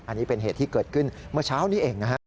อันนี้เป็นเหตุที่เกิดขึ้นเมื่อเช้านี้เองนะฮะ